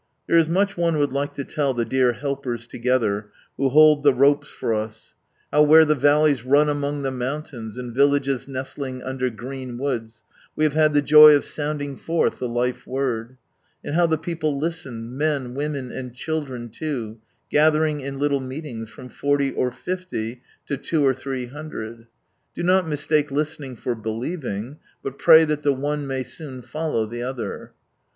There is much one would like to tell the dear Helpers Together who "hold the ropes" for us — how where the valleys run among the mountains, in villages nestling under green woods, we have had the joy of sounding forth the Life Word ; and how the people listened, men, women, and children, too, gathering in little meetings from forty or fifty to two or three hundred. Do not mistake listening for believing, but pray that the one may soon follow the other.